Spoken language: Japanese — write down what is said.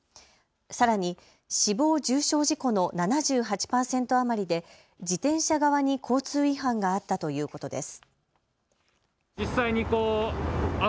さらに死亡・重傷事故の７８％余りで自転車側に交通違反があったということです。